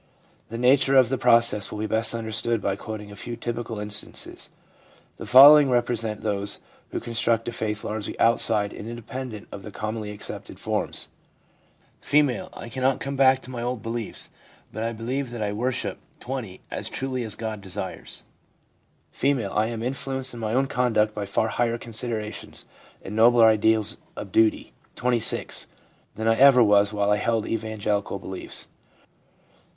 The nature of the process will be best understood by quoting a few typical instances. The following represent those who construct a faith largely outside and inde pendent of the commonly accepted forms: F. ' I cannot come back to my old beliefs ; but I believe that I worship (20) as truly as God desires/ F. ' I am influenced in my own conduct by far higher considerations and nobler ideas of duty (26) than I ever was while I held evan gelical beliefs/ M.